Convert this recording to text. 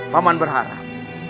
pak man berharap